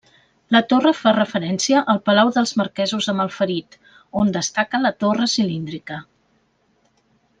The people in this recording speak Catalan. La torre fa referència al palau dels marquesos de Malferit, on destaca la torre cilíndrica.